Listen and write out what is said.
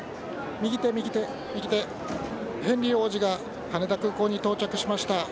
右手右手右手、ヘンリー王子が羽田空港に到着しました。